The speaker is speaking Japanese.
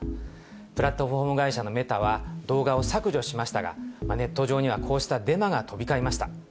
プラットフォーム会社のメタは、動画を削除しましたが、ネット上にはこうしたデマが飛び交いました。